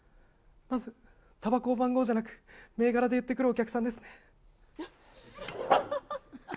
まずタバコを番号じゃなく銘柄で言ってくるお客さんです。